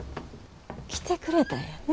来てくれたんやね。